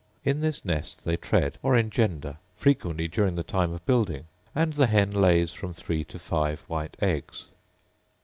In this nest they tread, or engender, frequently during the time of building; and the hen lays from three to five white eggs.